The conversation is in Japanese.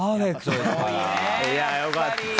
いやよかった。